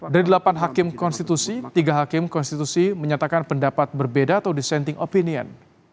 dari delapan hakim konstitusi tiga hakim konstitusi menyatakan pendapat berbeda atau dissenting opinion